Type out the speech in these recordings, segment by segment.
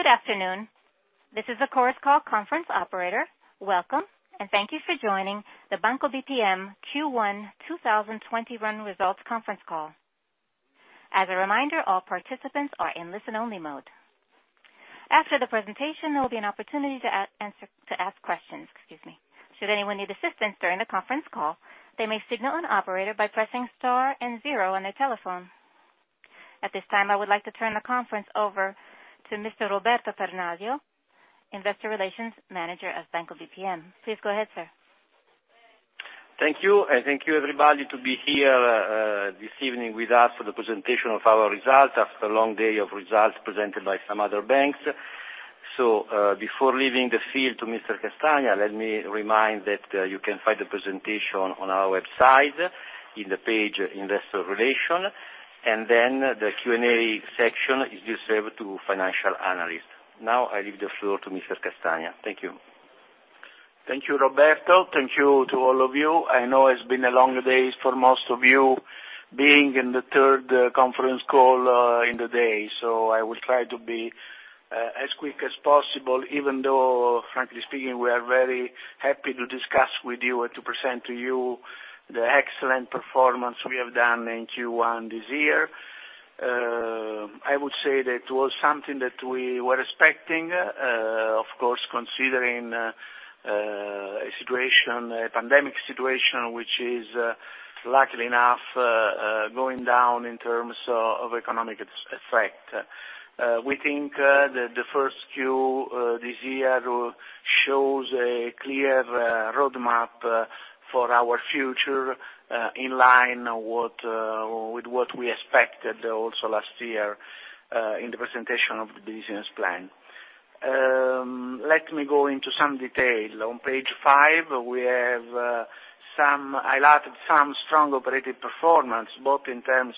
Good afternoon. This is the Chorus Call conference operator. Welcome, and thank you for joining the Banco BPM Q1 2021 Results Conference Call. As a reminder, all participants are in listen-only mode. After the presentation, there will be an opportunity to ask questions. Should anyone need assistance during the conference call, they may signal an operator by pressing *0 on their telephone. At this time, I would like to turn the conference over to Mr. Roberto Peronaglio, Investor Relations Manager of Banco BPM. Please go ahead, sir. Thank you. Thank you, everybody, to be here this evening with us for the presentation of our results, after a long day of results presented by some other banks. Before leaving the field to Mr. Castagna, let me remind that you can find the presentation on our website in the page Investor Relations, and then the Q&A section is reserved to financial analysts. Now I leave the floor to Mr. Castagna. Thank you. Thank you, Roberto. Thank you to all of you. I know it's been a long day for most of you, being in the third conference call in the day. I will try to be as quick as possible, even though, frankly speaking, we are very happy to discuss with you and to present to you the excellent performance we have done in Q1 this year. I would say that it was something that we were expecting, of course, considering a pandemic situation, which is luckily enough, going down in terms of economic effect. We think the Q1 this year shows a clear roadmap for our future, in line with what we expected also last year in the presentation of the business plan. Let me go into some detail. On page 5, we have highlighted some strong operative performance, both in terms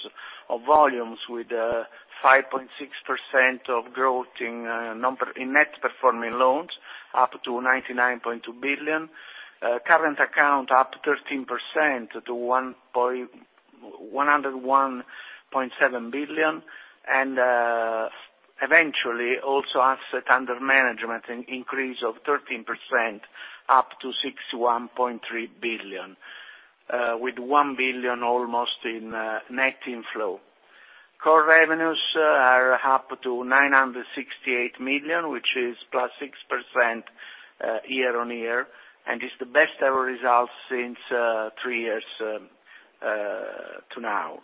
of volumes with 5.6% of growth in net performing loans up to 99.2 billion. Current account up 13% to 101.7 billion. Eventually also asset under management, an increase of 13% up to 61.3 billion, with 1 billion almost in net inflow. Core revenues are up to 968 million, which is +6% year-on-year, and is the best ever result since three years to now.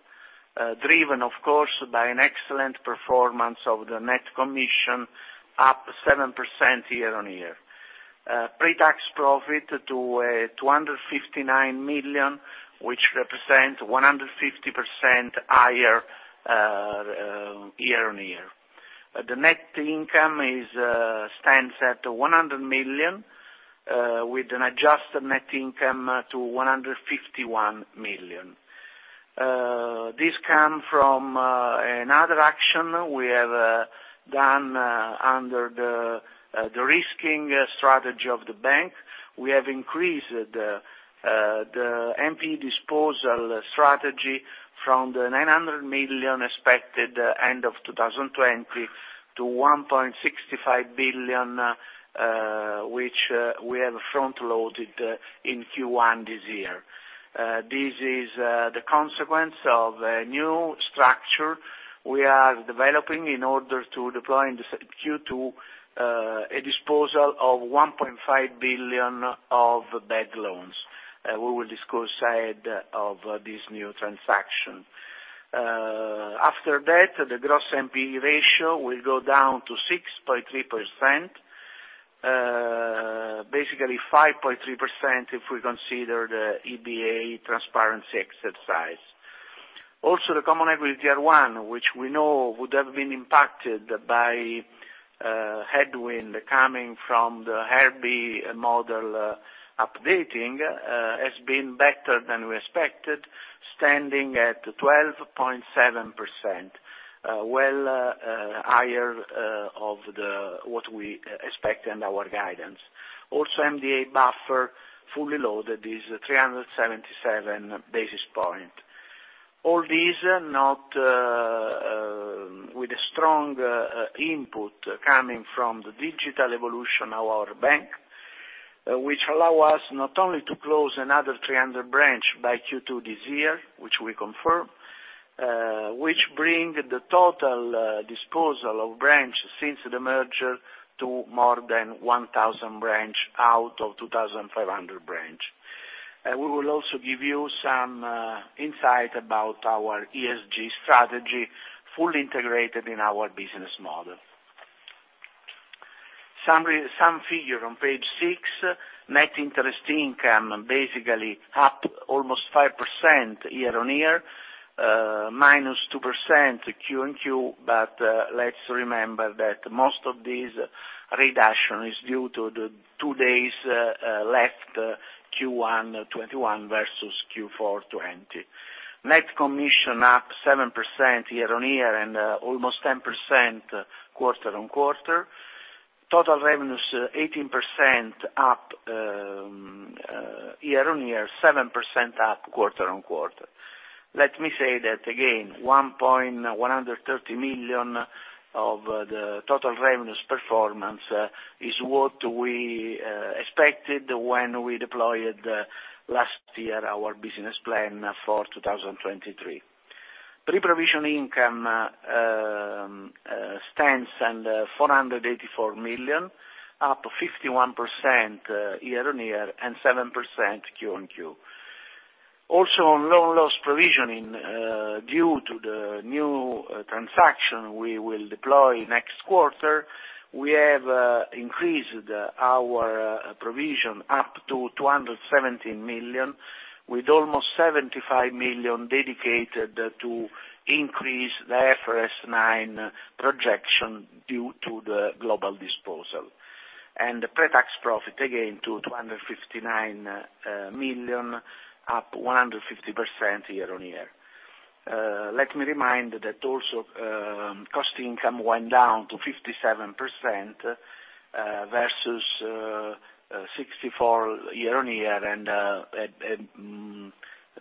Driven, of course, by an excellent performance of the net commission, up 7% year-on-year. Pre-tax profit to 259 million, which represents 150% higher year-on-year. The net income stands at 100 million, with an adjusted net income to 151 million. This come from another action we have done under the de-risking strategy of the bank. We have increased the NPE disposal strategy from the 900 million expected end of 2020 to 1.65 billion, which we have front-loaded in Q1 this year. This is the consequence of a new structure we are developing in order to deploy in Q2, a disposal of 1.5 billion of bad loans. We will discuss ahead of this new transaction. After that, the gross NPE ratio will go down to 6.3%, basically 5.3% if we consider the EBA transparency exercise. Also, the common equity Tier 1, which we know would have been impacted by headwind coming from the AIRB model updating, has been better than we expected, standing at 12.7%, well higher of what we expect in our guidance. Also, MDA buffer fully loaded is 377 basis points. All this not with a strong input coming from the digital evolution of our bank, which allow us not only to close another 300 branch by Q2 this year, which we confirm, which bring the total disposal of branch since the merger to more than 1,000 branch out of 2,500 branch. We will also give you some insight about our ESG strategy, fully integrated in our business model. Some figure on page six, net interest income basically up almost 5% year-on-year, -2% Q&Q. Let's remember that most of this reduction is due to the two days left Q1 2021 versus Q4 2020. Net commission up 7% year-on-year, almost 10% quarter-on-quarter. Total revenues are 18% up year-on-year, 7% up quarter-on-quarter. Let me say that again, 130 million of the total revenues performance is what we expected when we deployed last year our business plan for 2023. Pre-provision income stands at EUR 484 million, up 51% year-on-year and 7% Q-on-Q. On loan loss provisioning, due to the new transaction we will deploy next quarter, we have increased our provision up to 217 million, with almost 75 million dedicated to increase the IFRS 9 projection due to the global disposal. The pre-tax profit, again, to 259 million, up 150% year-on-year. Let me remind that also cost income went down to 57% versus 64% year-on-year and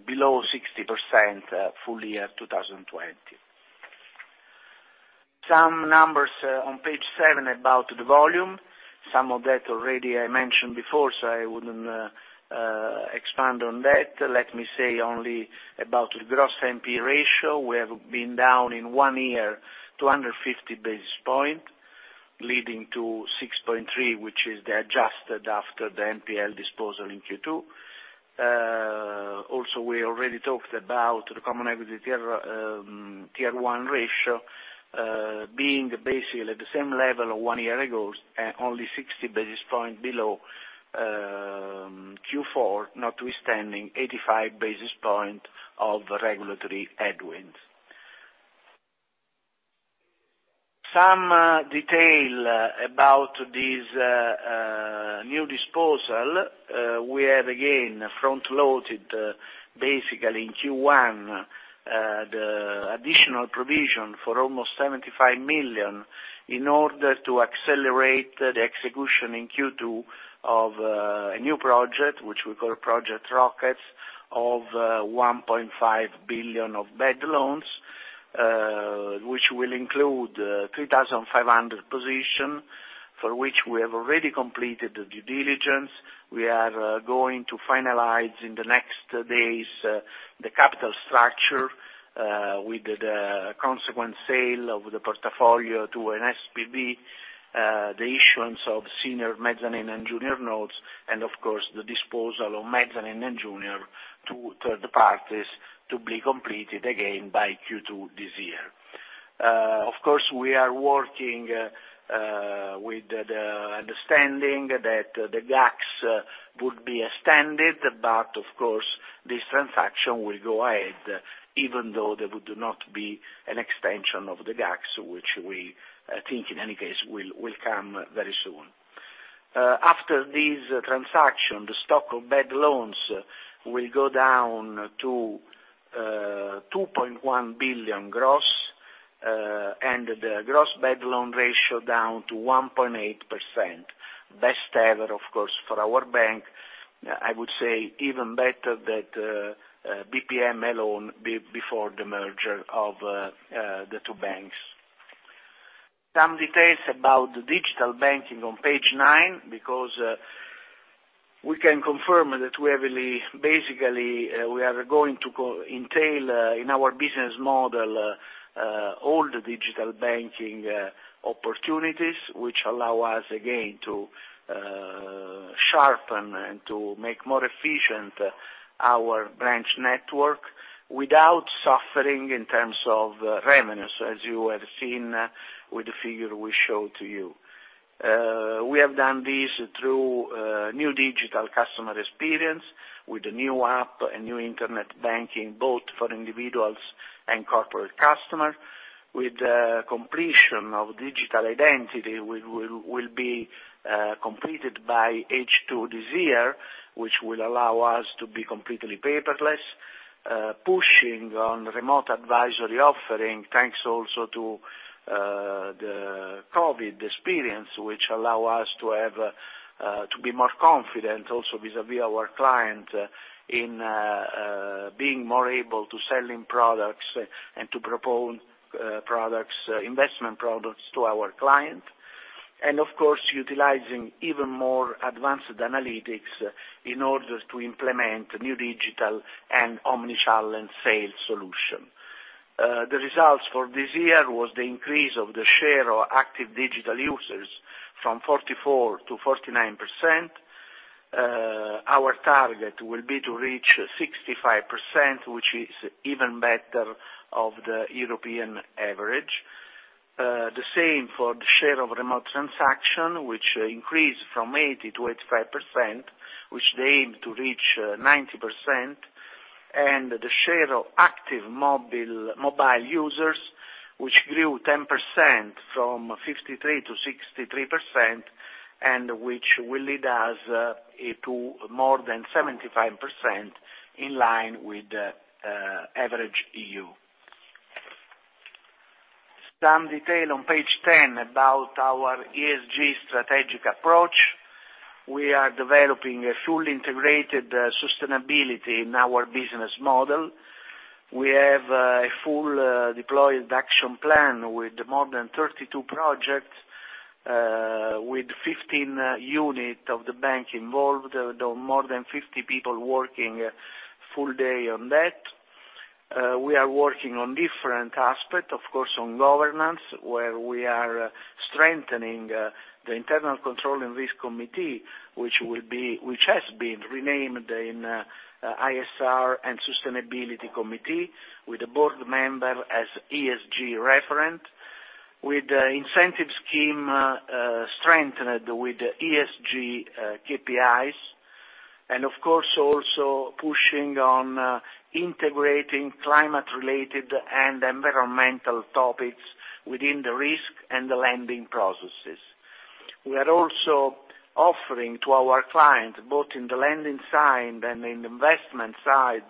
below 60% full year 2020. Some numbers on page 7 about the volume. Some of that already I mentioned before, I wouldn't expand on that. Let me say only about the gross NPL ratio. We have been down in one year 250 basis points, leading to 6.3, which is the adjusted after the NPL disposal in Q2. We already talked about the common equity tier 1 ratio being basically at the same level one year ago, only 60 basis points below Q4, notwithstanding 85 basis points of regulatory headwinds. Some detail about this new disposal. We have again front-loaded basically in Q1 the additional provision for almost 75 million in order to accelerate the execution in Q2 of a new project, which we call Project Rockets, of 1.5 billion of bad loans, which will include 3,500 positions for which we have already completed the due diligence. We are going to finalize in the next days the capital structure with the consequent sale of the portfolio to an SPV, the issuance of senior mezzanine and junior notes, and of course, the disposal of mezzanine and junior to third parties to be completed again by Q2 this year. Of course, we are working with the understanding that the GACS would be extended, but of course, this transaction will go ahead even though there would not be an extension of the GACS, which we think in any case will come very soon. After this transaction, the stock of bad loans will go down to 2.1 billion gross, and the gross bad loan ratio down to 1.8%. Best ever, of course, for our bank. I would say even better that BPM alone before the merger of the two banks. Some details about the digital banking on page nine, because we can confirm that basically we are going to entail in our business model all the digital banking opportunities, which allow us again to sharpen and to make more efficient our branch network without suffering in terms of revenues, as you have seen with the figure we showed to you. We have done this through new digital customer experience with a new app, a new internet banking, both for individuals and corporate customers. With the completion of digital identity will be completed by H2 this year, which will allow us to be completely paperless, pushing on remote advisory offering, thanks also to the COVID experience, which allow us to be more confident also vis-à-vis our client in being more able to selling products and to propose investment products to our client. Of course, utilizing even more advanced analytics in order to implement new digital and omnichannel and sales solution. The results for this year was the increase of the share of active digital users from 44% to 49%. Our target will be to reach 65%, which is even better of the European average. The same for the share of remote transaction, which increased from 80% to 85%, which they aim to reach 90%. The share of active mobile users, which grew 10% from 53% to 63%, and which will lead us to more than 75% in line with average EU. Some detail on page 10 about our ESG strategic approach. We are developing a fully integrated sustainability in our business model. We have a full deployed action plan with more than 32 projects, with 15 units of the bank involved, more than 50 people working a full day on that. We are working on different aspects, of course, on governance, where we are strengthening the internal control in this ICR and Sustainability Committee, with a board member as ESG referent, with incentive scheme strengthened with ESG KPIs. Of course, also pushing on integrating climate-related and environmental topics within the risk and the lending processes. We are also offering to our clients, both in the lending side and in the investment side,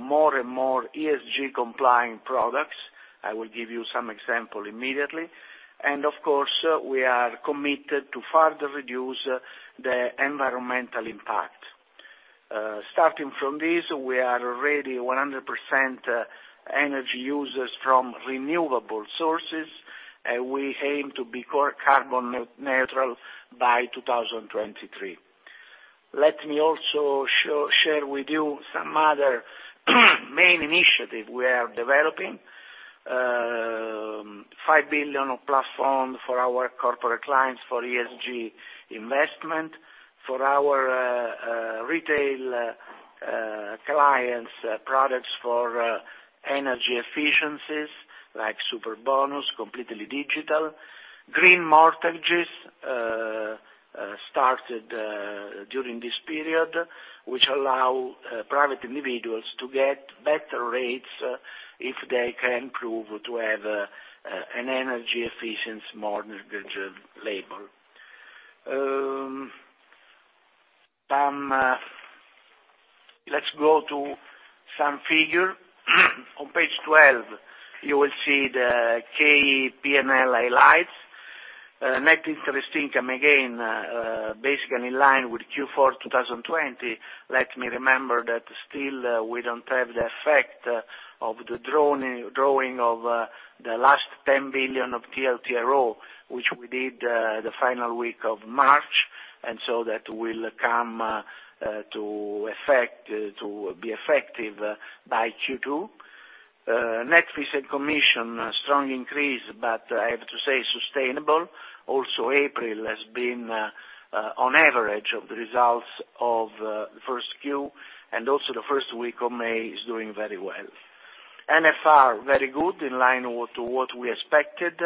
more and more ESG-compliant products. I will give you some example immediately. Of course, we are committed to further reduce the environmental impact. Starting from this, we are already 100% energy users from renewable sources, and we aim to be carbon neutral by 2023. Let me also share with you some other main initiative we are developing. 5 billion of platform for our corporate clients for ESG investment. For our retail clients, products for energy efficiencies, like Superbonus, completely digital. Green mortgages started during this period, which allow private individuals to get better rates if they can prove to have an energy efficiency mortgage label. Let's go to some figure. On page 12, you will see the key P&L highlights. Net interest income, again, basically in line with Q4 2020. Let me remember that still we don't have the effect of the drawing of the last 10 billion of TLTRO, which we did the final week of March. That will come to be effective by Q2. Net fees and commission, a strong increase, I have to say sustainable. Also, April has been on average of the results of the Q1, the first week of May is doing very well. NFR, very good, in line with what we expected.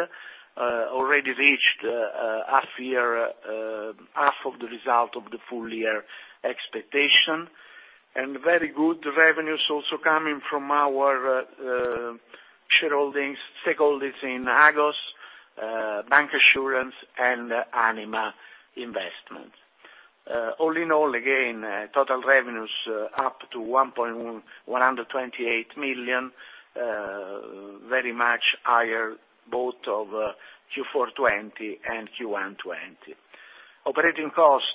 Already reached half of the result of the full year expectation. Very good revenues also coming from our shareholdings, stakeholders in Agos, bancassurance, and Anima investment. All in all, again, total revenues up to 128 million, very much higher both of Q4 2020 and Q1 2020. Operating cost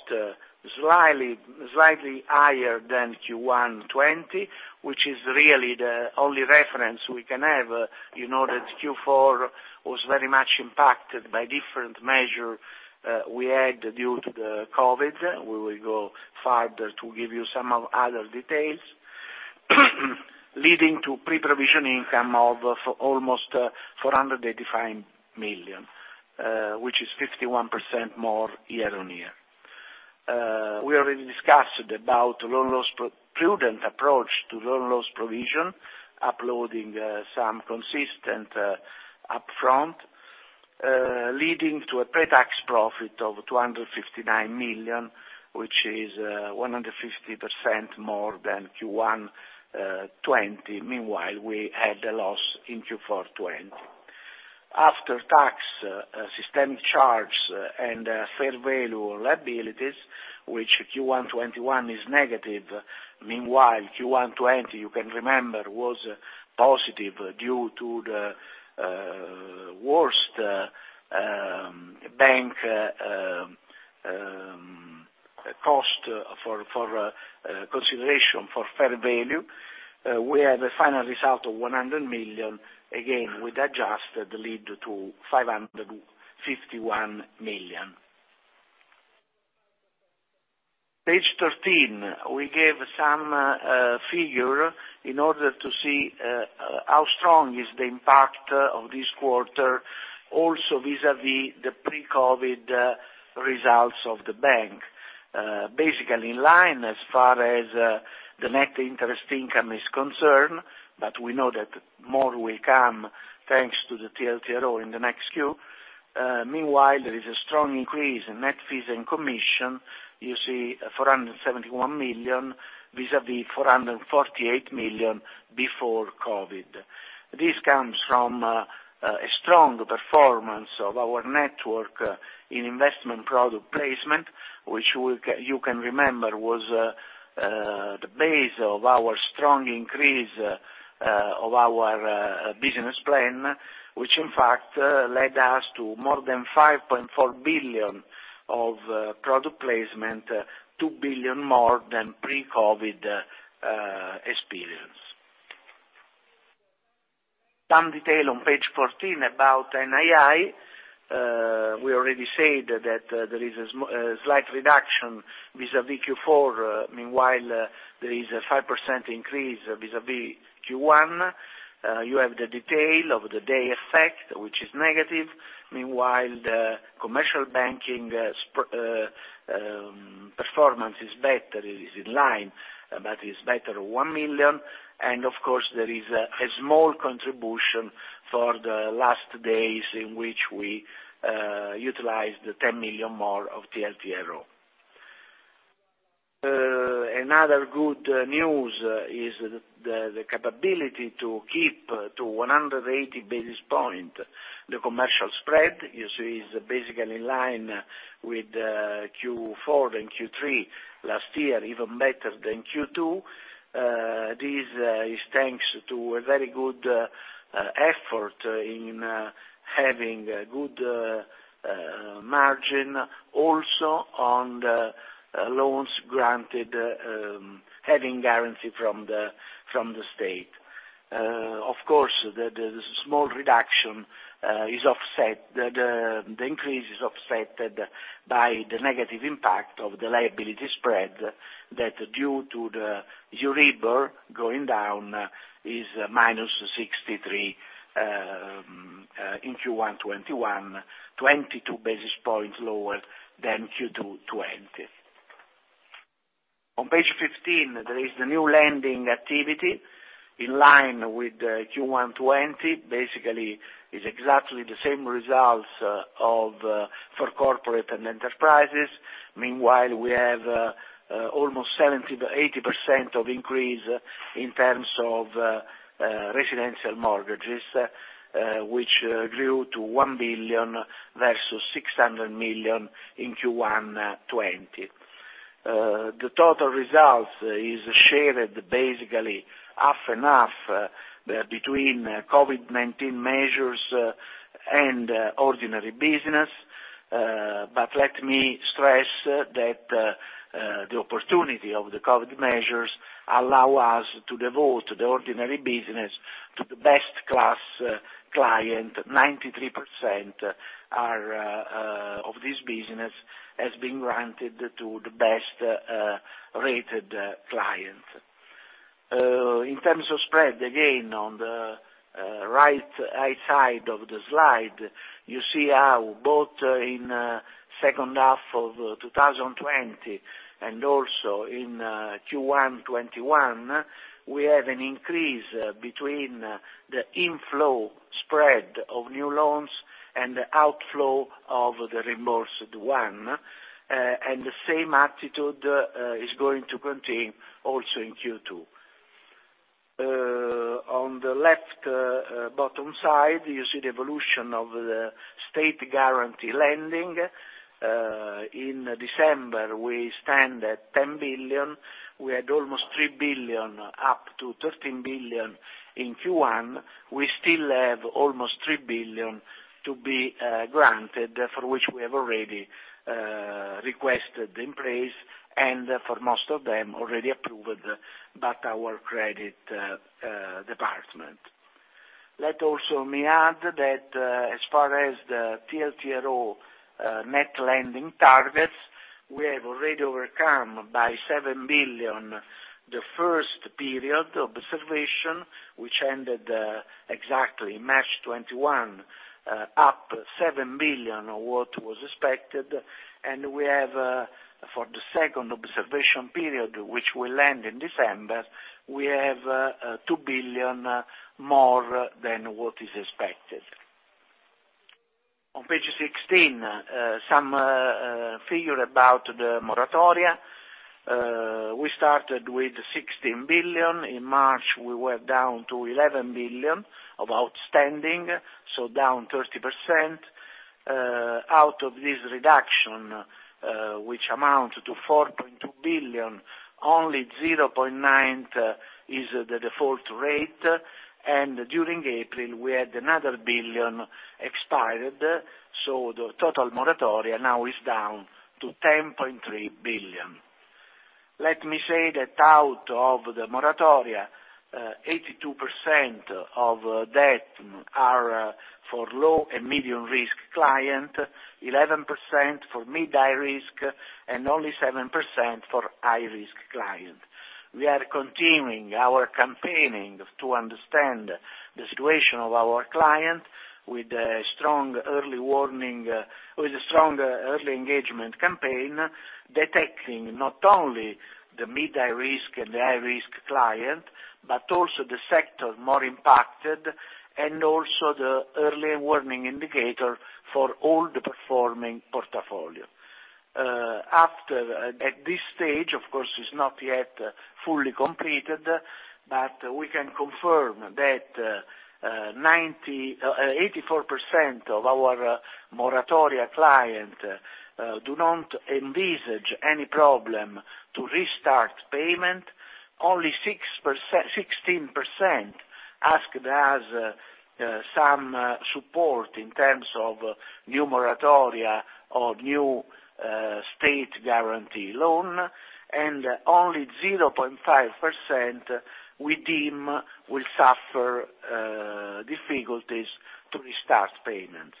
slightly higher than Q1 2020, which is really the only reference we can have. You know that Q4 was very much impacted by different measure we had due to the COVID. We will go further to give you some of other details. Leading to pre-provision income of almost 485 million, which is 51% more year-on-year. We already discussed about prudent approach to loan loss provision, uploading some consistent upfront, leading to a pre-tax profit of 259 million, which is 150% more than Q1 2020. Meanwhile, we had a loss in Q4 2020. After tax systemic charge and fair value liabilities, which Q1 2021 is negative. Q1 2020, you can remember, was positive due to the worst bank cost for consideration for fair value. We have a final result of 100 million, again, with adjusted lead to 551 million. Page 13, we gave some figure in order to see how strong is the impact of this quarter also vis-à-vis the pre-COVID results of the bank. In line as far as the net interest income is concerned, we know that more will come thanks to the TLTRO in the next quarter. There is a strong increase in net fees and commission. You see 471 million vis-à-vis 448 million before COVID. This comes from a strong performance of our network in investment product placement, which you can remember was the base of our strong increase of our business plan, which in fact led us to more than 5.4 billion of product placement, 2 billion more than pre-COVID experience. Some detail on page 14 about NII. We already said that there is a slight reduction vis-a-vis Q4. There is a 5% increase vis-a-vis Q1. You have the detail of the day effect, which is negative. The commercial banking performance is better. It is in line, but is better 1 million. Of course, there is a small contribution for the last days in which we utilized the 10 million more of TLTRO. Another good news is the capability to keep to 180 basis point. The commercial spread you see is basically in line with Q4 and Q3 last year, even better than Q2. This is thanks to a very good effort in having a good margin also on the loans granted, having guarantee from the state. Of course, the increase is offset by the negative impact of the liability spread that, due to the Euribor going down, is -63 in Q1 2021, 22 basis points lower than Q2 2020. On page 15, there is the new lending activity in line with Q1 2020. Basically, it's exactly the same results for corporate and enterprises. Meanwhile, we have almost 80% of increase in terms of residential mortgages, which grew to 1 billion versus 600 million in Q1 2020. The total results is shared basically half and half between COVID-19 measures and ordinary business. Let me stress that the opportunity of the COVID measures allow us to devote the ordinary business to the best class client. 93% of this business has been granted to the best-rated clients. In terms of spread, again, on the right-hand side of the slide, you see how both in second half of 2020 and also in Q1 2021, we have an increase between the inflow spread of new loans and the outflow of the reimbursed one. The same attitude is going to continue also in Q2. On the left bottom side, you see the evolution of the state guarantee lending. In December, we stand at 10 billion. We had almost 3 billion, up to 13 billion in Q1. We still have almost 3 billion to be granted, for which we have already requested in place, and for most of them, already approved by our credit department. Let also me add that as far as the TLTRO net lending targets, we have already overcome by 7 billion the first period observation, which ended exactly March 21, up 7 billion what was expected. We have for the second observation period, which will end in December, we have 2 billion more than what is expected. On page 16, some figure about the moratoria. We started with 16 billion. In March, we were down to 11 billion of outstanding, so down 30%. Out of this reduction, which amount to 4.2 billion, only 0.9% is the default rate. During April, we had another 1 billion expired. The total moratoria now is down to 10.3 billion. Let me say that out of the moratoria, 82% of debt are for low and medium risk client, 11% for mid-high risk, and only 7% for high risk client. We are continuing our campaigning to understand the situation of our client with a strong early engagement campaign, detecting not only the mid-high risk and the high-risk client, but also the sector more impacted, and also the early warning indicator for all the performing portfolio. After at this stage, of course, is not yet fully completed, but we can confirm that 84% of our moratoria client do not envisage any problem to restart payment. Only 16% asked us some support in terms of new moratoria or new state guarantee loan, and only 0.5% we deem will suffer difficulties to restart payment.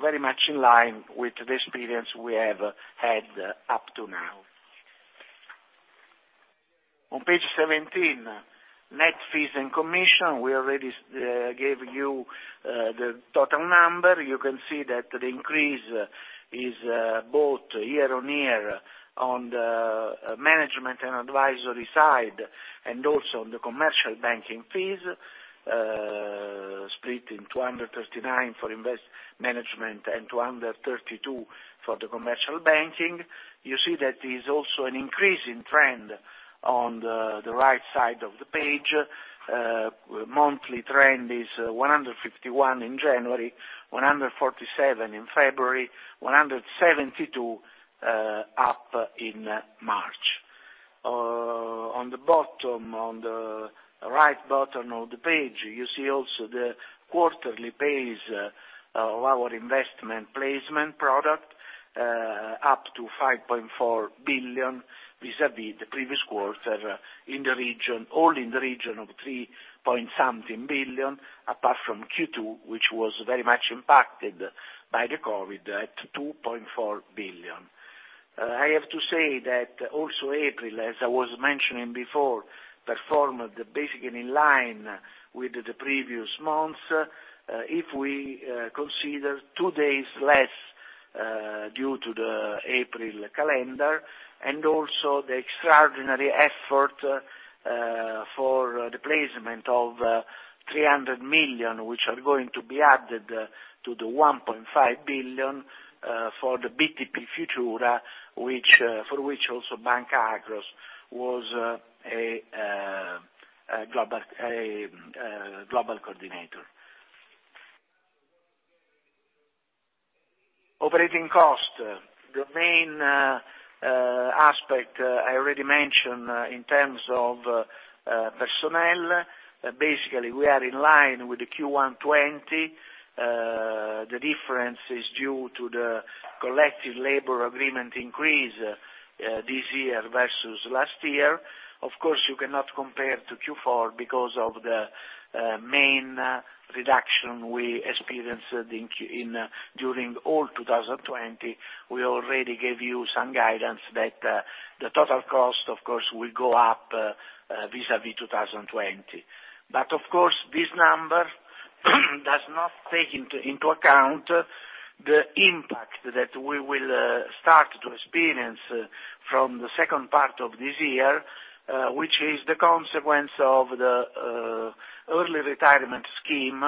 Very much in line with the experience we have had up to now. On page 17, net fees and commission. We already gave you the total number. You can see that the increase is both year-over-year on the management and advisory side, and also on the commercial banking fees, split in 239 for invest management and 232 for the commercial banking. You see that there's also an increasing trend on the right side of the page. Monthly trend is 151 million in January, 147 million in February, 172 million up in March. On the right bottom of the page, you see also the quarterly pace of our investment placement product, up to 5.4 billion vis-à-vis the previous quarter, all in the region of EUR 3-point-something billion, apart from Q2, which was very much impacted by the COVID at 2.4 billion. I have to say that also April, as I was mentioning before, performed basically in line with the previous months. If we consider two days less, due to the April calendar, and also the extraordinary effort for the placement of 300 million, which are going to be added to the 1.5 billion for the BTP Futura, for which also Banca Akros was a global coordinator. Operating cost. The main aspect I already mentioned in terms of personnel, basically, we are in line with the Q1 2020. The difference is due to the collective labor agreement increase this year versus last year. Of course, you cannot compare to Q4 because of the main reduction we experienced during all 2020. We already gave you some guidance that the total cost, of course, will go up vis-à-vis 2020. Of course, this number does not take into account the impact that we will start to experience from the second part of this year, which is the consequence of the early retirement scheme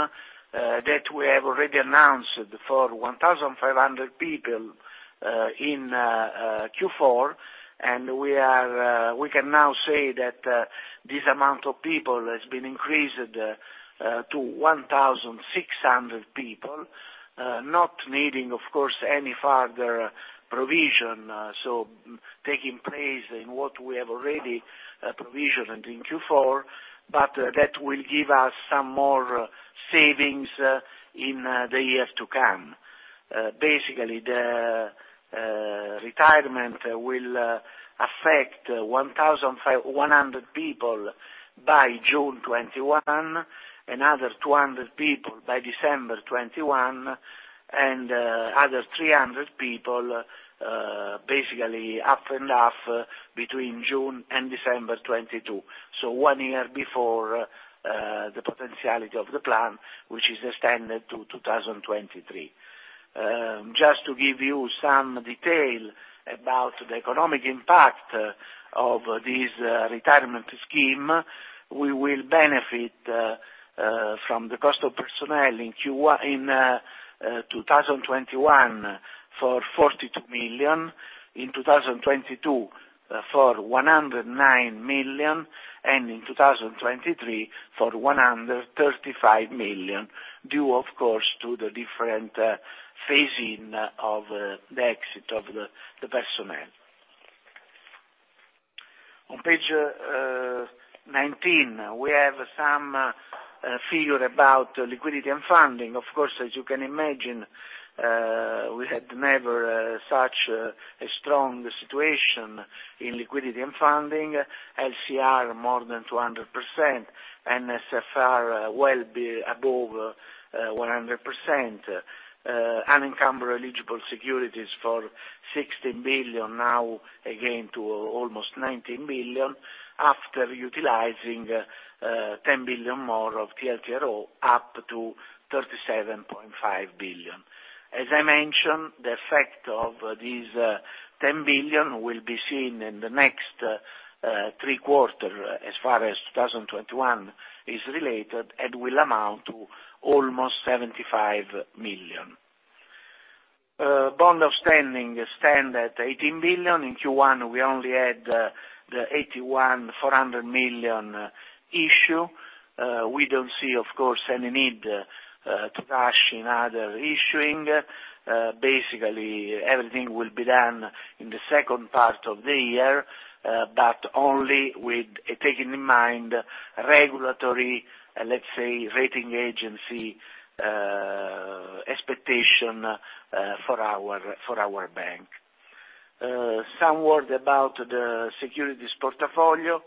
that we have already announced for 1,500 people in Q4. We can now say that this amount of people has been increased to 1,600 people, not needing, of course, any further provision. Taking place in what we have already provisioned in Q4, but that will give us some more savings in the years to come. The retirement will affect 1,100 people by June 2021, another 200 people by December 2021, and other 300 people, basically up and up between June and December 2022. One year before the potentiality of the plan, which is extended to 2023. Just to give you some detail about the economic impact of this retirement scheme, we will benefit from the cost of personnel in 2021 for 42 million, in 2022 for 109 million, and in 2023 for 135 million, due, of course, to the different phasing of the exit of the personnel. On page 19, we have some figure about liquidity and funding. Of course, as you can imagine, we had never such a strong situation in liquidity and funding. LCR more than 200%, NSFR well above 100%, unencumbered eligible securities for 16 billion, now again to almost 19 billion, after utilizing 10 billion more of TLTRO up to 37.5 billion. As I mentioned, the effect of this 10 billion will be seen in the next three quarter, as far as 2021 is related, and will amount to almost 75 million. The bond outstanding stand at 18 billion. In Q1, we only had the 8,400 million issue. We don't see, of course, any need to rush in other issuing. Everything will be done in the second part of the year, but only with taking in mind regulatory, let's say, rating agency expectation for our bank. Some word about the securities portfolio,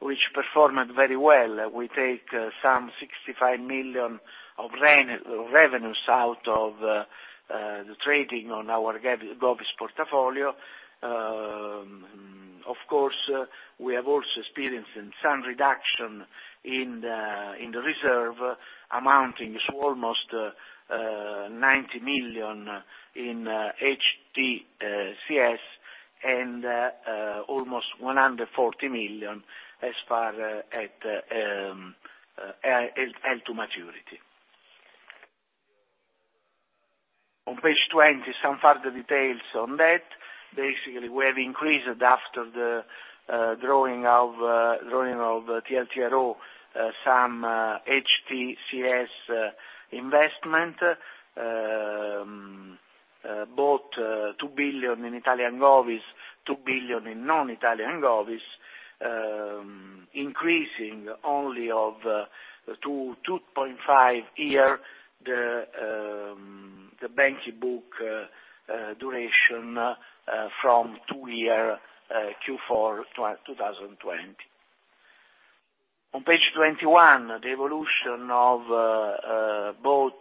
which performed very well. We take some 65 million of revenues out of the trading on our Govt portfolio. Of course, we have also experienced some reduction in the reserve amounting to almost 90 million in HTCS and almost 140 million as far as LTRO maturity. On page 20, some further details on that. We have increased after the drawing of TLTRO, some HTCS investment, both 2 billion in Italian Govt, 2 billion in non-Italian Govt, increasing only of 2.5 year, the bank book duration from two year Q4 2020. On page 21, the evolution of both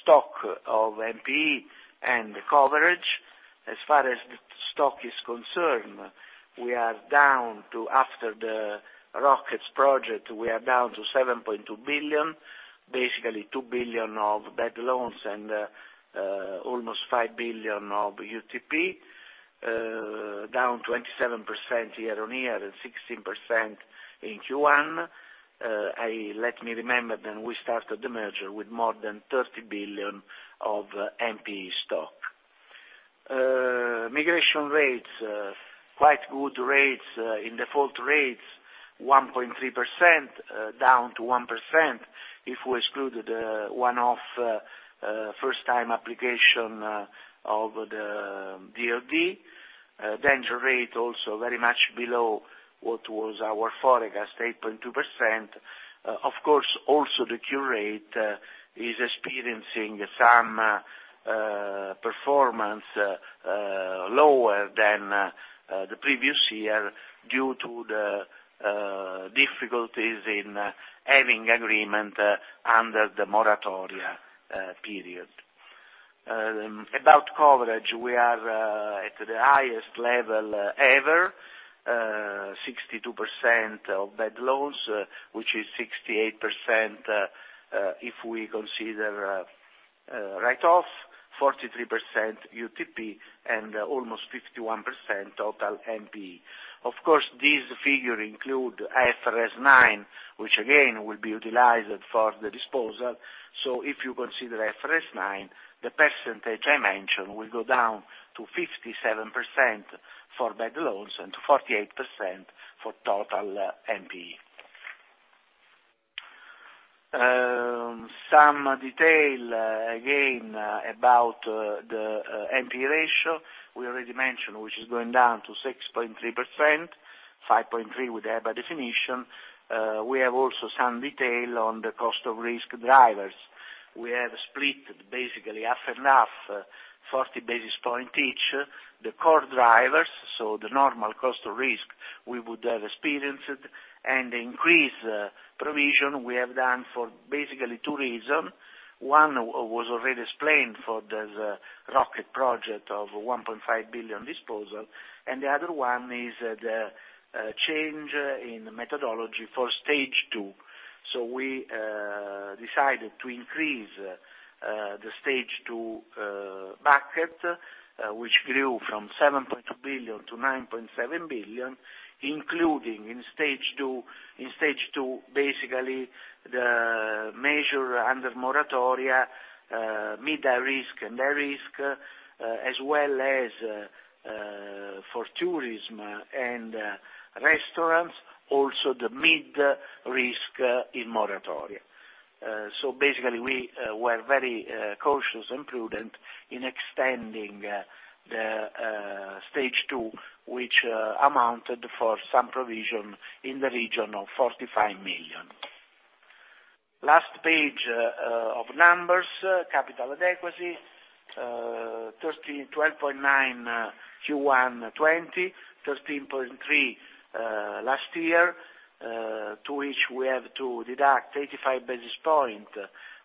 stock of NPE and the coverage. As far as the stock is concerned, after the Project Rockets, we are down to 7.2 billion, basically 2 billion of bad loans and almost 5 billion of UTP, down 27% year-on-year and 16% in Q1. We started the merger with more than 30 billion of NPE stock. Migration rates, quite good rates. In default rates, 1.3% down to 1% if we excluded the one-off first time application of the DoD. Danger rate also very much below what was our forecast, 8.2%. Of course, also the cure rate is experiencing some performance lower than the previous year due to the difficulties in having agreement under the moratoria period. About coverage, we are at the highest level ever, 62% of bad loans, which is 68% if we consider write-off, 43% UTP, and almost 51% total NPE. Of course, these figure include IFRS 9, which again will be utilized for the disposal. If you consider IFRS 9, the percentage I mentioned will go down to 57% for bad loans and to 48% for total NPE. Some detail again about the NPE ratio. We already mentioned, which is going down to 6.3%, 5.3% with EBA definition. We have also some detail on the cost of risk drivers. We have split basically half and half, 40 basis point each. The core drivers, so the normal cost of risk we would have experienced, and increase provision we have done for basically two reason. One was already explained for the Project Rockets of 1.5 billion disposal. The other one is the change in methodology for Stage 2. We decided to increase the Stage 2 bucket, which grew from 7.2 billion to 9.7 billion, including in Stage 2, basically the measure under moratoria, mid-risk and the risk, as well as for tourism and restaurants, also the mid-risk in moratoria. Basically, we were very cautious and prudent in extending the Stage 2, which amounted for some provision in the region of 45 million. Last page of numbers. Capital adequacy 12.9% Q1 2020, 13.3% last year, to which we have to deduct 85 basis points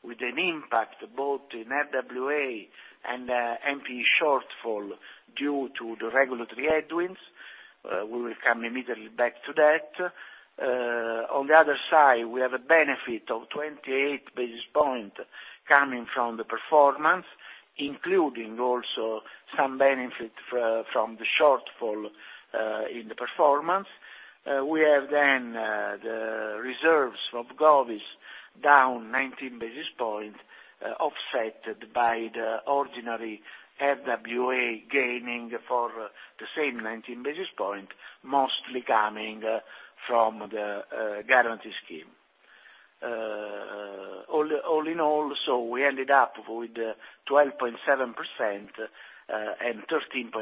with an impact both in RWA and NPE shortfall due to the regulatory headwinds. We will come immediately back to that. On the other side, we have a benefit of 28 basis points coming from the performance, including also some benefit from the shortfall in the performance. The reserves from Govt down 19 basis points, offset by the ordinary RWA gaining for the same 19 basis points, mostly coming from the guarantee scheme. All in all, we ended up with 12.7% and 13.7%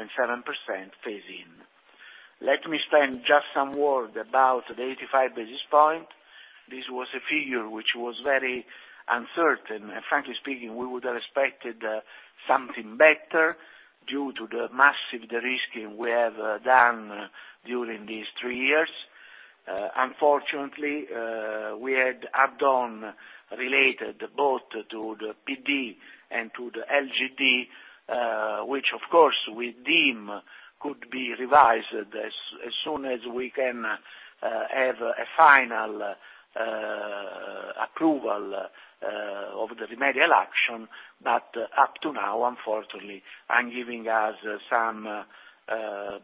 phase in. Let me spend just some words about the 85 basis points. This was a figure which was very uncertain, and frankly speaking, we would have expected something better due to the massive de-risking we have done during these three years. Unfortunately, we had add-on related both to the PD and to the LGD, which, of course, we deem could be revised as soon as we can have a final approval of the remedial action. Up to now, unfortunately, I'm giving us some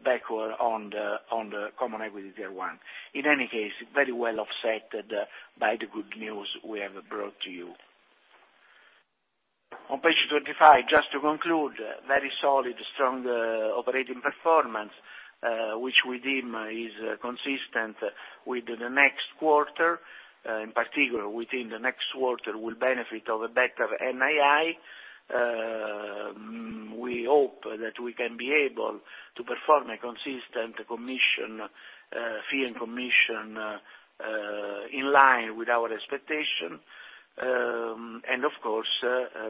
backward on the common equity Tier 1. In any case, very well offset by the good news we have brought to you. On page 25, just to conclude, very solid, strong operating performance, which we deem is consistent with the next quarter. In particular, within the next quarter, we will benefit of a better NII. We hope that we can be able to perform a consistent fee and commission in line with our expectation. Of course,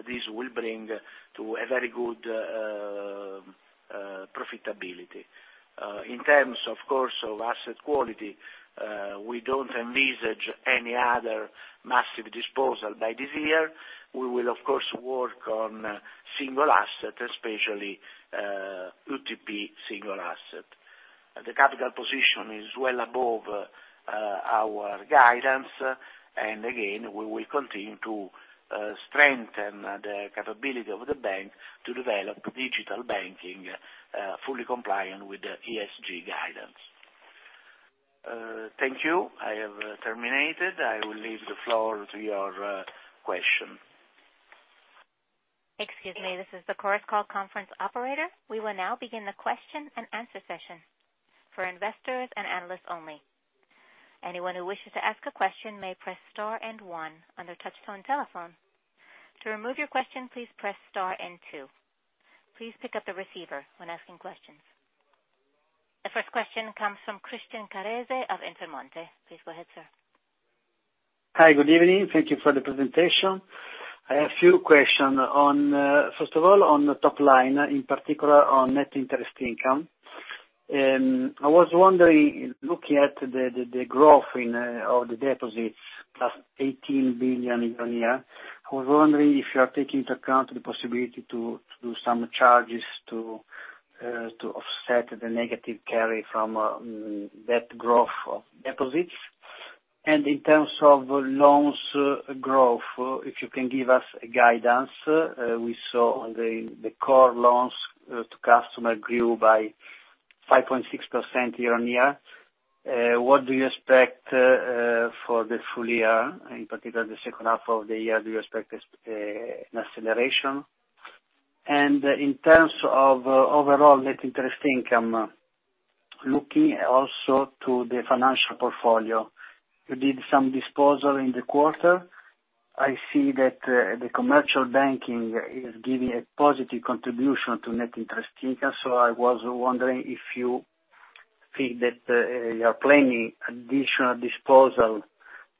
this will bring to a very good profitability. In terms, of course, of asset quality, we don't envisage any other massive disposal by this year. We will, of course, work on single asset, especially UTP single asset. The capital position is well above our guidance. Again, we will continue to strengthen the capability of the bank to develop digital banking, fully compliant with the ESG guidance. Thank you. I have terminated. I will leave the floor to your question. The first question comes from Christian Carrese of Intermonte. Please go ahead, sir. Hi. Good evening. Thank you for the presentation. I have few question. First of all, on the top line, in particular on net interest income. I was wondering, looking at the growth of the deposits, plus 18 billion year-on-year, I was wondering if you are taking into account the possibility to do some charges to offset the negative carry from that growth of deposits. In terms of loans growth, if you can give us a guidance. We saw on the core loans to customer grew by 5.6% year-on-year. What do you expect for the full year, in particular the second half of the year? Do you expect an acceleration? In terms of overall net interest income, looking also to the financial portfolio. You did some disposal in the quarter. I see that the commercial banking is giving a positive contribution to net interest income, so I was wondering if you think that you are planning additional disposal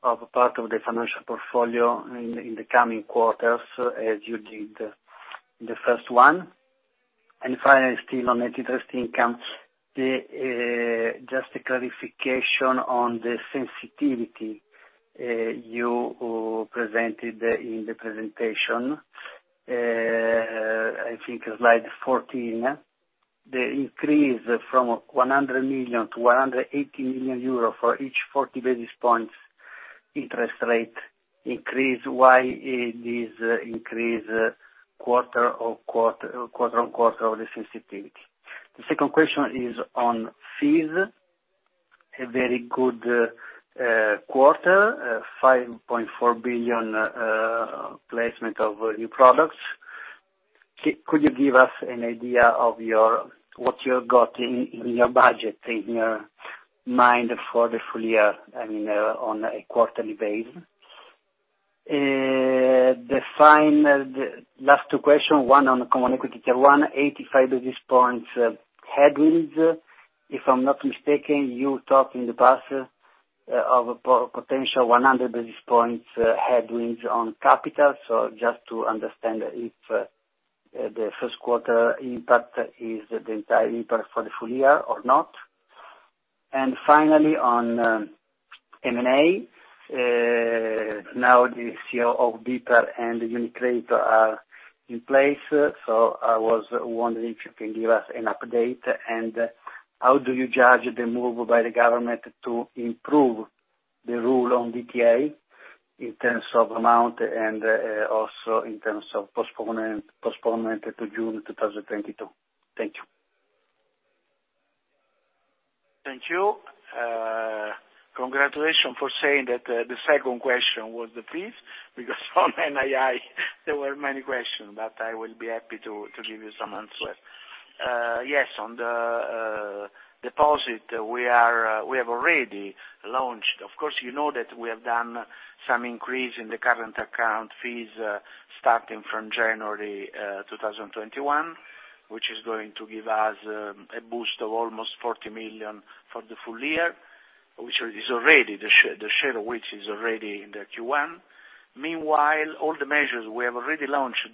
of a part of the financial portfolio in the coming quarters as you did the first one. Finally, still on net interest income, just a clarification on the sensitivity you presented in the presentation. I think slide 14. The increase from 100 million to 180 million euro for each 40 basis points interest rate increase. Why is this increase quarter-on-quarter of the sensitivity? The second question is on fees. A very good quarter, 5.4 billion placement of new products. Could you give us an idea of what you got in your budget in mind for the full year, I mean, on a quarterly base? The last two question, one on common equity Tier 1, 85 basis points headwinds. If I'm not mistaken, you talked in the past of a potential 100 basis points headwinds on capital. Just to understand if the Q1 impact is the entire impact for the full year or not. Finally, on M&A. Now the CEO of BPER and UniCredit are in place, so I was wondering if you can give us an update, and how do you judge the move by the government to improve the rule on DTA in terms of amount and also in terms of postponement to June 2022? Thank you. Thank you. Congratulations for saying that the second question was the fees, because on NII there were many questions, but I will be happy to give you some answers. Yes, on the deposit, we have already launched. Of course, you know that we have done some increase in the current account fees starting from January 2021, which is going to give us a boost of almost 40 million for the full year, the share of which is already in the Q1. Meanwhile, all the measures we have already launched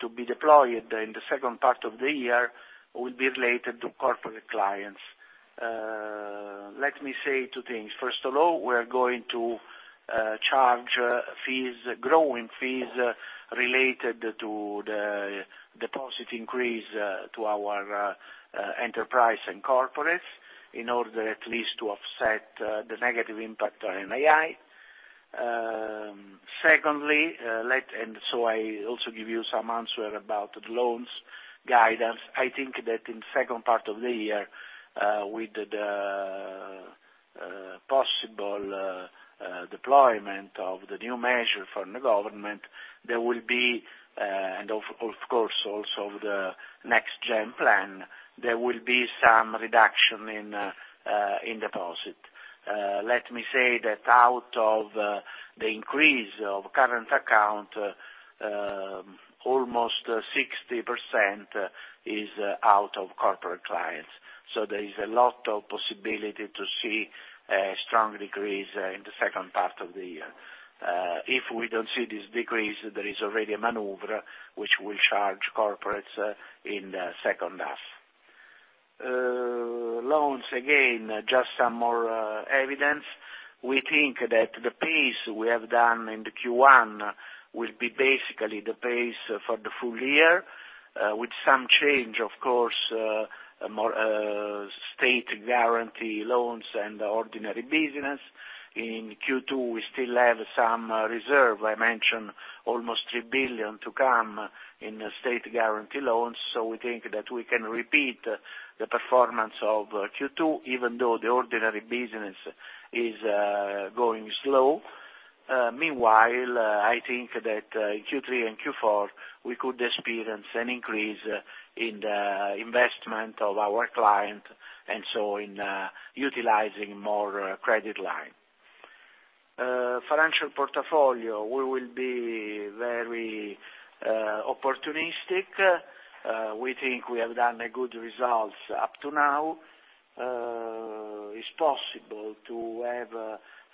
to be deployed in the second part of the year will be related to corporate clients. Let me say two things. First of all, we are going to charge growing fees related to the deposit increase to our enterprise and corporates in order at least to offset the negative impact on NII. I also give you some answer about loans guidance. I think that in second part of the year, with the possible deployment of the new measure from the government, and of course, also the NextGenerationEU plan, there will be some reduction in deposit. Let me say that out of the increase of current account, almost 60% is out of corporate clients. There is a lot of possibility to see a strong decrease in the second part of the year. If we don't see this decrease, there is already a maneuver which will charge corporates in the second half. Loans, again, just some more evidence. We think that the pace we have done in the Q1 will be basically the pace for the full year, with some change, of course, more state guarantee loans and ordinary business. In Q2, we still have some reserve. I mentioned almost 3 billion to come in state guarantee loans. We think that we can repeat the performance of Q2, even though the ordinary business is going slow. Meanwhile, I think that in Q3 and Q4, we could experience an increase in the investment of our client, and so in utilizing more credit line. Financial portfolio, we will be very opportunistic. We think we have done a good results up to now. It's possible to have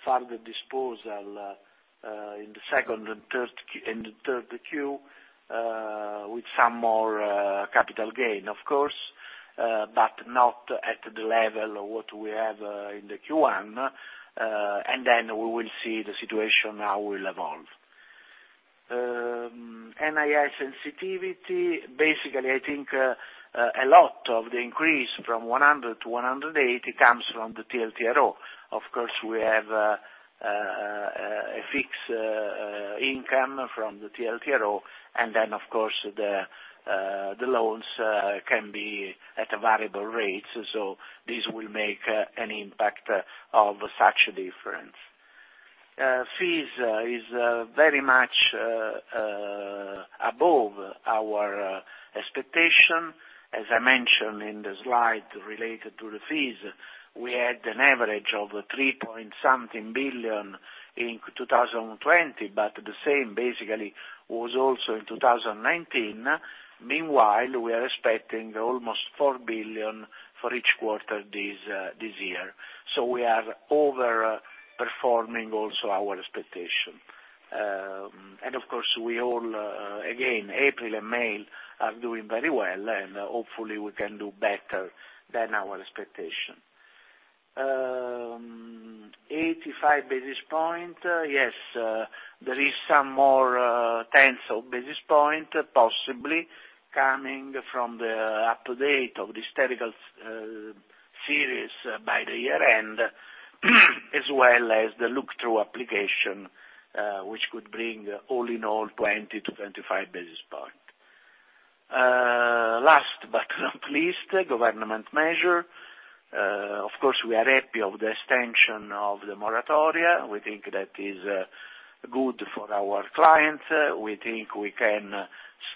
further disposal in the Q2 and Q3, with some more capital gain, of course, but not at the level of what we have in the Q1. We will see the situation, how will evolve. NII sensitivity. Basically, I think a lot of the increase from 100 million to 180 million comes from the TLTRO. Of course, we have a fixed income from the TLTRO. Then, of course, the loans can be at variable rates, so this will make an impact of such a difference. Fees is very much above our expectation. As I mentioned in the slide related to the fees, we had an average of EUR 3-point-something billion in 2020, but the same basically was also in 2019. Meanwhile, we are expecting almost 4 billion for each quarter this year. We are over-performing also our expectation. Of course, again, April and May are doing very well, and hopefully we can do better than our expectation. 85 basis points. Yes, there is some more tenths of basis points possibly coming from the up-to-date of the statistical series by the year-end as well as the look-through application, which could bring all in all 20-25 basis points. Last but not least, government measure. Of course, we are happy of the extension of the moratoria. We think that is good for our clients. We think we can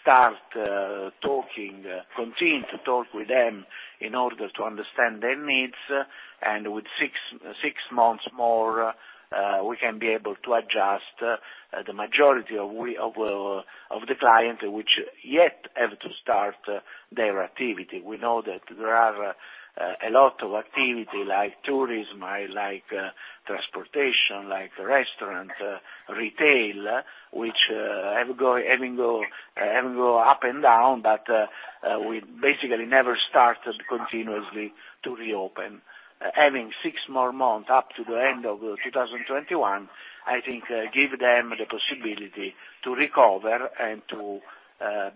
start continue to talk with them in order to understand their needs, with six months more, we can be able to adjust the majority of the client, which yet have to start their activity. We know that there are a lot of activity like tourism, like transportation, like restaurant, retail, which having go up and down, we basically never started continuously to reopen. Having six more months up to the end of 2021, I think give them the possibility to recover and to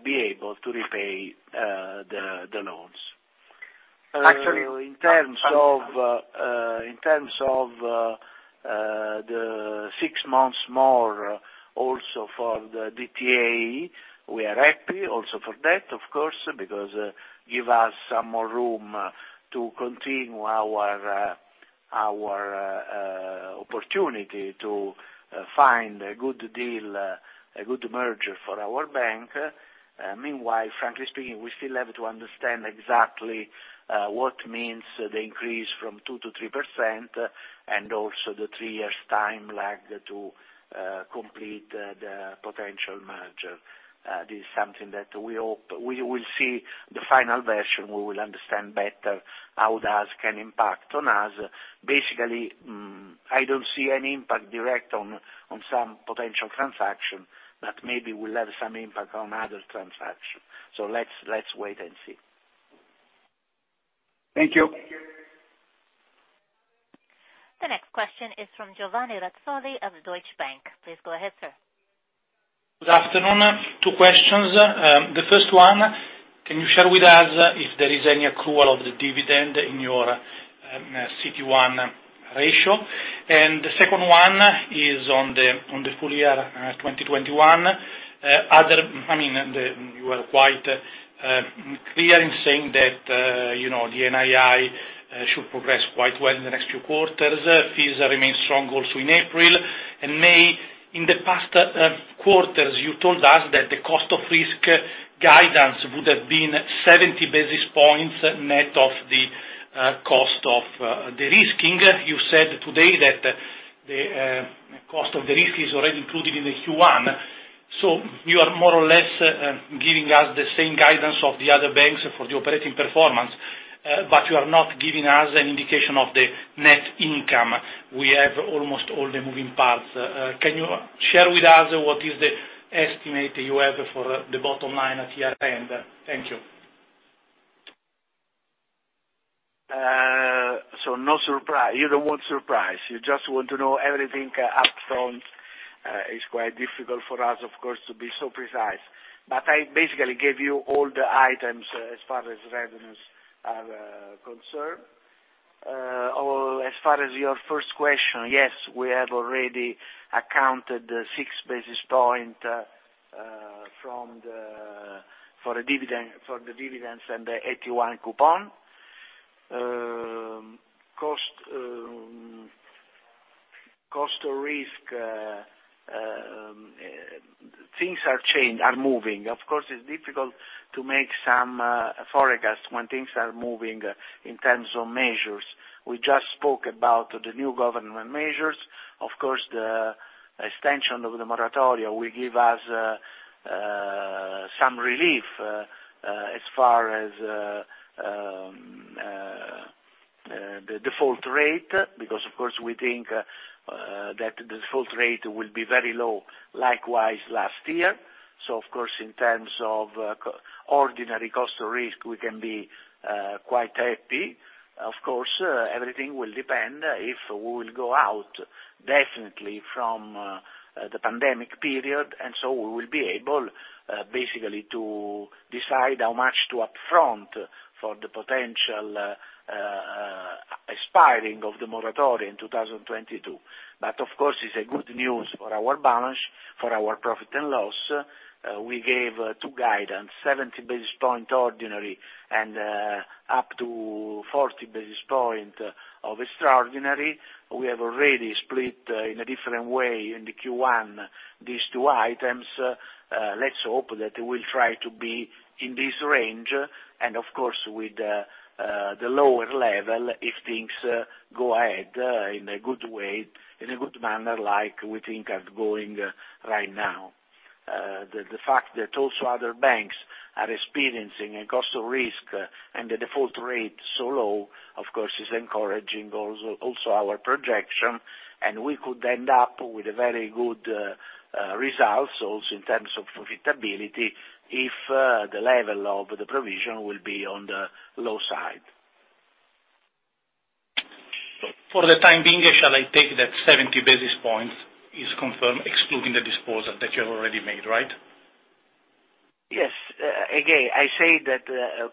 be able to repay the loans. In terms of the six months more also for the DTA, we are happy also for that, of course, because give us some more room to continue our opportunity to find a good deal, a good merger for our bank. Meanwhile, frankly speaking, we still have to understand exactly what means the increase from 2% to 3% and also the three years time lag to complete the potential merger. This is something that we hope we will see the final version. We will understand better how that can impact on us. Basically, I don't see any impact direct on some potential transaction, but maybe will have some impact on other transaction. Let's wait and see. Thank you. The next question is from Giovanni Razzoli of Deutsche Bank. Please go ahead, sir. Good afternoon. Two questions. The first one, can you share with us if there is any accrual of the dividend in your CET1 ratio? The second one is on the full year 2021. You were quite clear in saying that the NII should progress quite well in the next few quarters. Fees remain strong also in April and May. In the past quarters, you told us that the cost of risk guidance would have been 70 basis points net of the cost of de-risking. You said today that the cost of de-risk is already included in the Q1. You are more or less giving us the same guidance of the other banks for the operating performance, but you are not giving us an indication of the net income. We have almost all the moving parts. Can you share with us what is the estimate you have for the bottom line at year-end? Thank you. No surprise. You don't want surprise. You just want to know everything upfront. It's quite difficult for us, of course, to be so precise, but I basically gave you all the items as far as revenues are concerned. As far as your first question, yes, we have already accounted 6 basis point for the dividends and the AT1 coupon. Cost of risk, things are moving. Of course, it's difficult to make some forecast when things are moving in terms of measures. We just spoke about the new government measures. Of course, the extension of the moratoria will give us some relief as far as the default rate, because, of course, we think that the default rate will be very low, likewise last year. Of course, in terms of ordinary cost of risk, we can be quite happy. Of course, everything will depend if we will go out definitely from the pandemic period, and so we will be able basically to decide how much to upfront for the potential expiring of the moratoria in 2022. Of course, it's a good news for our balance, for our profit and loss. We gave two guidance, 70 basis point ordinary, and up to 40 basis point of extraordinary. We have already split in a different way in the Q1 these two items. Let's hope that we'll try to be in this range, and of course, with the lower level, if things go ahead in a good manner, like we think are going right now. The fact that also other banks are experiencing a cost of risk and the default rate so low, of course, is encouraging also our projection. We could end up with very good results also in terms of profitability if the level of the provision will be on the low side. For the time being, shall I take that 70 basis points is confirmed, excluding the disposal that you have already made, right? Yes. I say that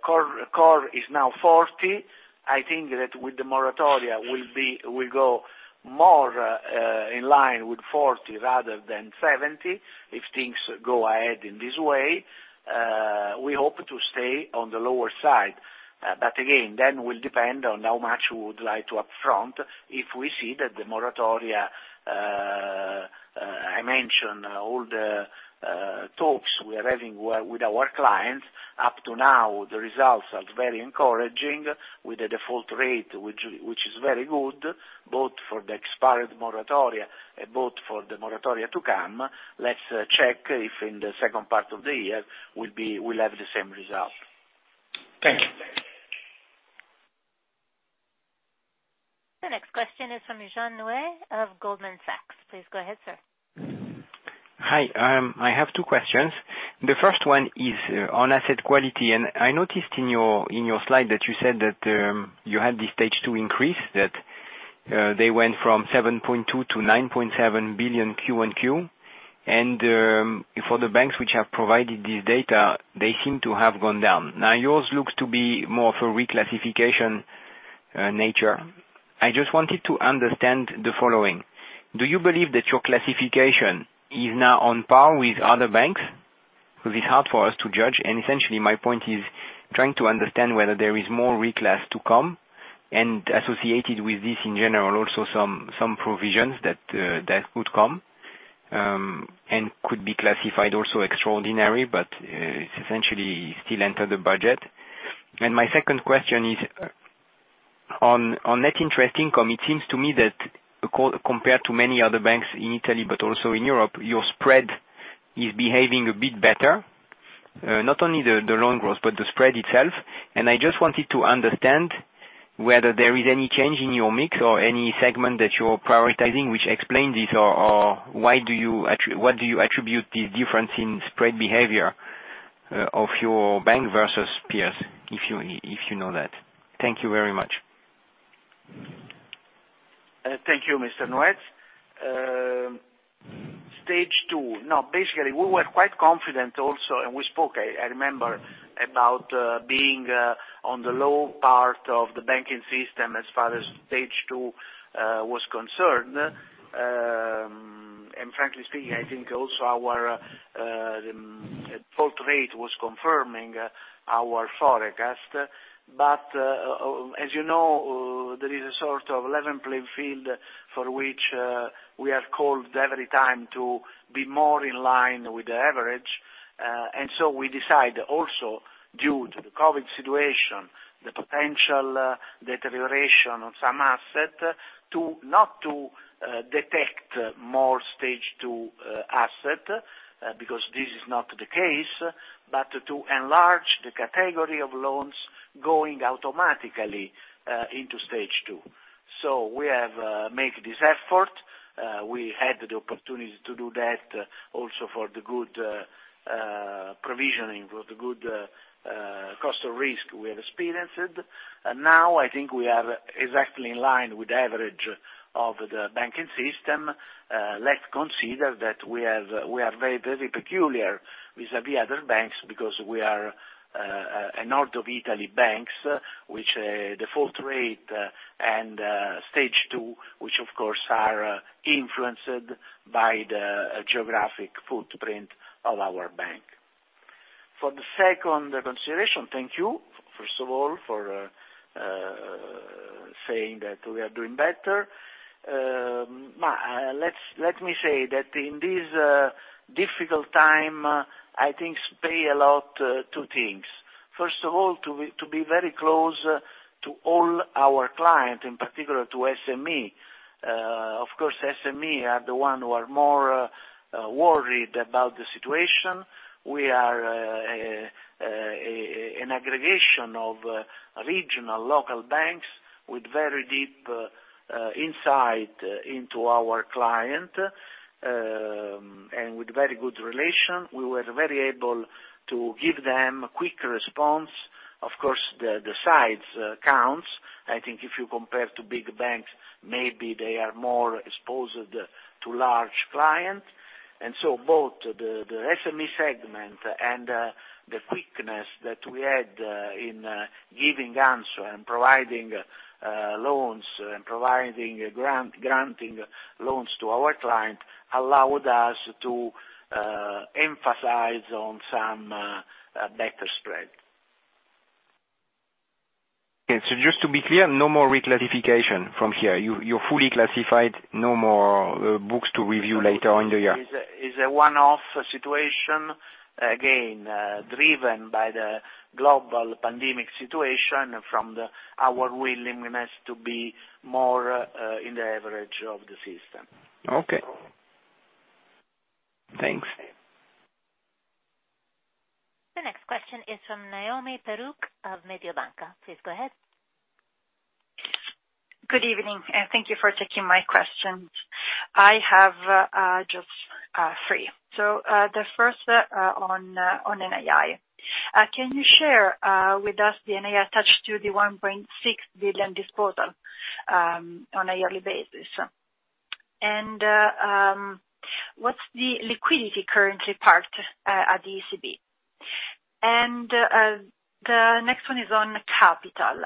core is now 40. I think that with the moratoria will go more in line with 40 rather than 70 if things go ahead in this way. We hope to stay on the lower side. Again, will depend on how much we would like to upfront if we see that the moratoria, I mentioned all the talks we are having with our clients. Up to now, the results are very encouraging with the default rate, which is very good, both for the expired moratoria, both for the moratoria to come. Let's check if in the second part of the year we'll have the same result. Thank you. The next question is from Jean Neuez of Goldman Sachs. Please go ahead, sir. Hi. I have two questions. The first one is on asset quality, I noticed in your slide that you said that you had the Stage 2 increase, that they went from 7.2 billion to 9.7 billion Q-on-Q. For the banks which have provided this data, they seem to have gone down. Now yours looks to be more of a reclassification nature. I just wanted to understand the following. Do you believe that your classification is now on par with other banks? Because it's hard for us to judge. Essentially my point is trying to understand whether there is more reclass to come, and associated with this, in general, also some provisions that would come, and could be classified also extraordinary, but it essentially still enter the budget. My second question is on net interest income. It seems to me that compared to many other banks in Italy, but also in Europe, your spread is behaving a bit better. Not only the loan growth, but the spread itself. I just wanted to understand whether there is any change in your mix or any segment that you're prioritizing which explains this, or what do you attribute this difference in spread behavior of your bank versus peers, if you know that? Thank you very much. Thank you, Mr. Neuez. Stage 2. Now, basically, we were quite confident also. We spoke, I remember, about being on the low part of the banking system as far as Stage 2 was concerned. Frankly speaking, I think also our default rate was confirming our forecast. As you know, there is a sort of level playing field for which we are called every time to be more in line with the average. We decide also due to the COVID situation, the potential deterioration of some asset, to not to detect more Stage 2 asset, because this is not the case, but to enlarge the category of loans going automatically into Stage 2. We have made this effort. We had the opportunity to do that also for the good provisioning, for the good cost of risk we have experienced. Now, I think we are exactly in line with the average of the banking system. Let's consider that we are very peculiar vis-à-vis other banks because we are a north of Italy banks, which default rate and Stage 2, which of course, are influenced by the geographic footprint of our bank. For the second consideration, thank you, first of all, for saying that we are doing better. Let me say that in this difficult time, I think play a lot two things. First of all, to be very close to all our clients, in particular to SME. Of course, SME are the one who are more worried about the situation. We are an aggregation of regional local banks with very deep insight into our client, and with very good relation. We were very able to give them quick response. Of course, the size counts. I think if you compare to big banks, maybe they are more exposed to large clients. Both the SME segment and the quickness that we had in giving answer and providing loans and providing granting loans to our client allowed us to emphasize on some better spread. Just to be clear, no more reclassification from here. You are fully classified, no more books to review later in the year. Is a one-off situation, again, driven by the global pandemic situation from our willingness to be more in the average of the system. Okay. Thanks. The next question is from Noemi Peruch of Mediobanca. Please go ahead. Good evening. Thank you for taking my questions. I have just three. The first on NII. Can you share with us the NII attached to the 1.6 billion disposal on a yearly basis? What's the liquidity currently parked at ECB? The next one is on capital.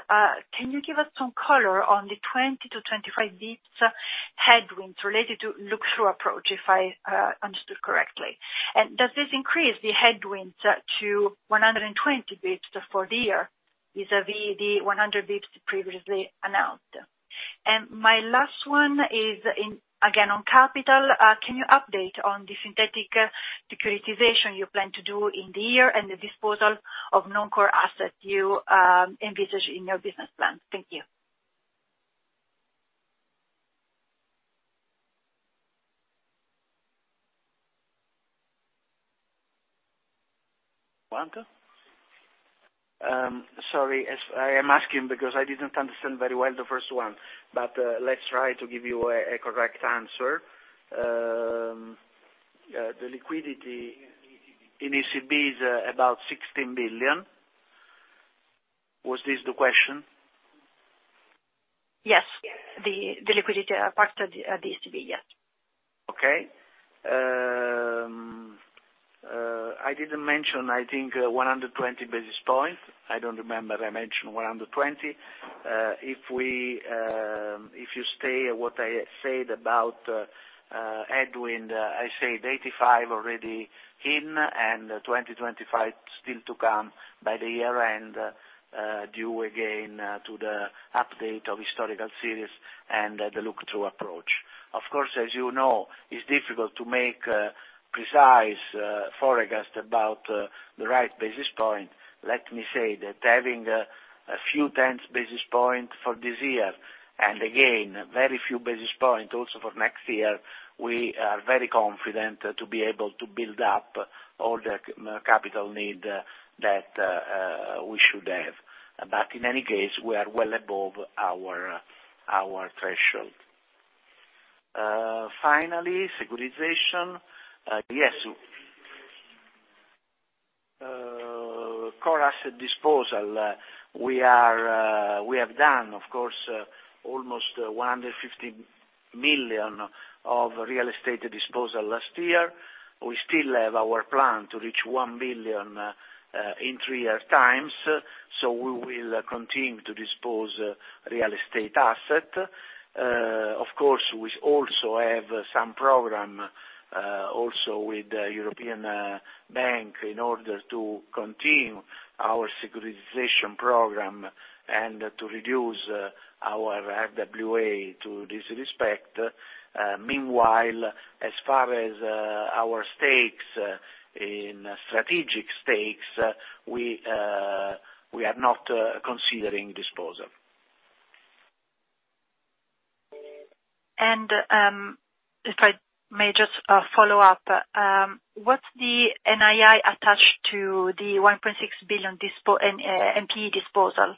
Can you give us some color on the 20 to 25 basis points headwinds related to look-through approach, if I understood correctly. Does this increase the headwinds to 120 basis points for the year vis-à-vis the 100 basis points previously announced? My last one is again, on capital. Can you update on the synthetic securitization you plan to do in the year and the disposal of non-core assets you envisage in your business plan? Thank you. Sorry, I am asking because I didn't understand very well the first one, but let's try to give you a correct answer. The liquidity in ECB is about 16 billion. Was this the question? Yes. The liquidity part at the ECB. Yes. Okay. I didn't mention, I think 120 basis points. I don't remember I mentioned 120. If you stay at what I said about headwind, I said 85 already in and 20, 25 still to come by the year-end, due again to the update of historical series and the look-through approach. As you know, it's difficult to make a precise forecast about the right basis point. Let me say that having a few tenth basis point for this year, and again, very few basis point also for next year, we are very confident to be able to build up all the capital need that we should have. In any case, we are well above our threshold. Finally, securitization. Yes. Core asset disposal. We have done, of course, almost 150 million of real estate disposal last year. We still have our plan to reach 1 billion in three year times. We will continue to dispose real estate asset. Of course, we also have some program, also with European Bank in order to continue our securitization program and to reduce our RWA to this respect. Meanwhile, as far as our stakes in strategic stakes, we are not considering disposal. If I may just follow up, what's the NII attached to the 1.6 billion NPE disposal?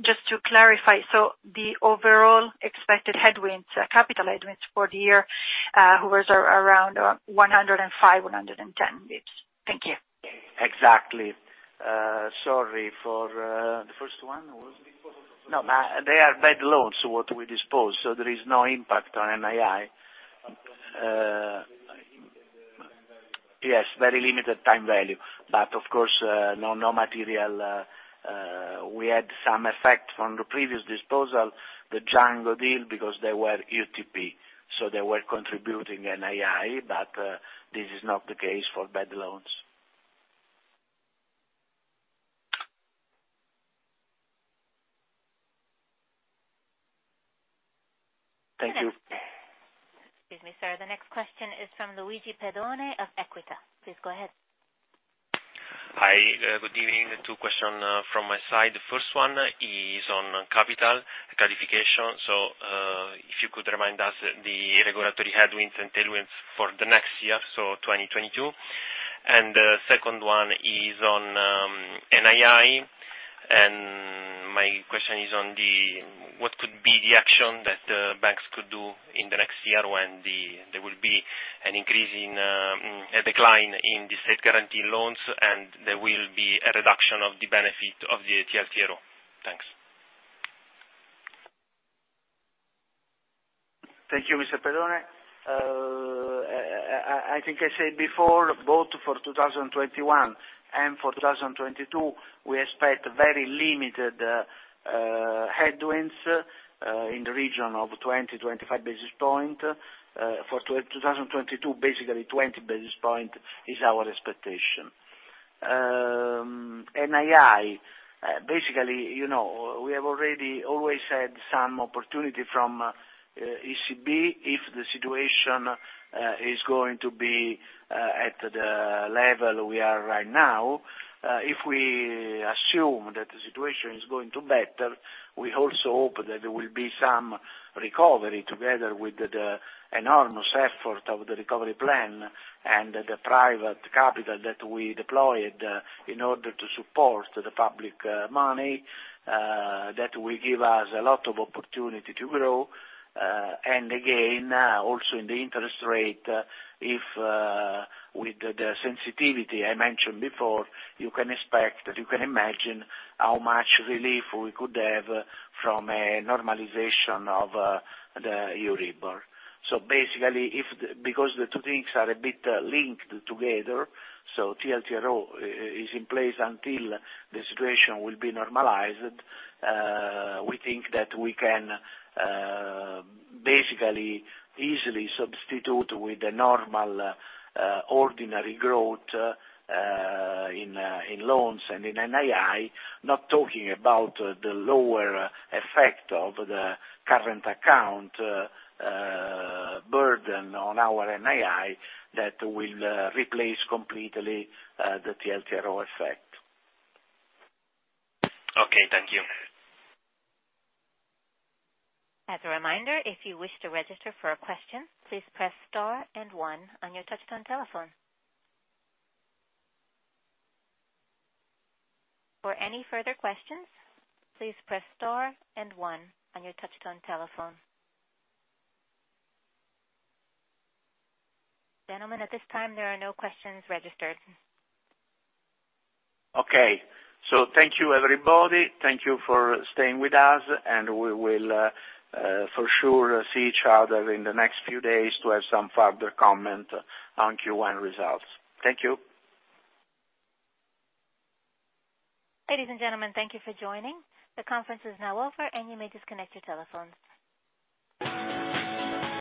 Just to clarify, the overall expected headwinds, capital headwinds for the year, hovers around 105, 110 basis points. Thank you. Exactly. Sorry for, the first one was? They are bad loans, what we dispose, so there is no impact on NII. Very limited time value. Of course, no material. We had some effect from the previous disposal, the Project Django deal, because they were UTP, so they were contributing NII, but this is not the case for bad loans. Thank you. Excuse me, sir. The next question is from Luigi Pedone of Equita. Please go ahead. Hi. Good evening. Two question from my side. First one is on capital clarification. If you could remind us the regulatory headwinds and tailwinds for the next year, 2022. Second one is on NII, and my question is on what could be the action that the banks could do in the next year when there will be a decline in the state guarantee loans, and there will be a reduction of the benefit of the TLTRO. Thanks. Thank you, Mr. Pedone. I think I said before, both for 2021 and for 2022, we expect very limited headwinds, in the region of 20, 25 basis points. For 2022, basically 20 basis points is our expectation. NII. We have already always had some opportunity from ECB if the situation is going to be at the level we are right now. We assume that the situation is going to be better, we also hope that there will be some recovery together with the enormous effort of the recovery plan and the private capital that we deployed in order to support the public money, that will give us a lot of opportunity to grow, and again, also in the interest rate, if with the sensitivity I mentioned before, you can imagine how much relief we could have from a normalization of the Euribor. Basically, because the two things are a bit linked together, TLTRO is in place until the situation will be normalized, we think that we can basically easily substitute with the normal ordinary growth in loans and in NII, not talking about the lower effect of the current account burden on our NII, that will replace completely the TLTRO effect. Okay, thank you. As a reminder, if you wish to register for a question, please press *1 on your touchtone telephone. For any further questions, please press *1 on your touchtone telephone. Gentlemen, at this time, there are no questions registered. Okay. Thank you everybody. Thank you for staying with us, and we will for sure see each other in the next few days to have some further comment on Q1 results. Thank you. Ladies and gentlemen, thank you for joining. The conference is now over, and you may disconnect your telephones.